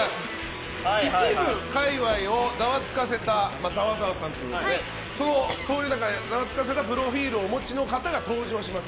一部界隈をざわつかせたざわざわさんということでざわつかせたプロフィールをお持ちの方が登場します。